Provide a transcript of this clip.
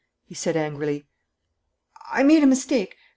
he said angrily. "I made a mistake.